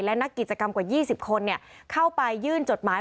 และนักกิจกรรมกว่า๒๐คนเข้าไปยื่นจดหมาย